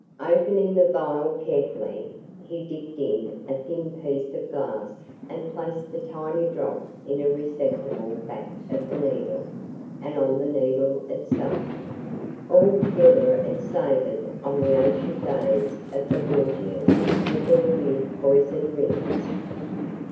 Opening the vial carefully, he dipped in a thin piece of glass and placed a tiny drop in a receptacle back of the needle and on the needle itself. Altogether it savored of the ancient days of the Borgias with their weird poisoned rings.